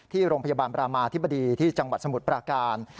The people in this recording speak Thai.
ที่โรงพยาบาลประมาธิบดีที่จังหวัดสมุทรปราการ